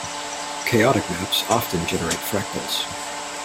Chaotic maps often generate fractals.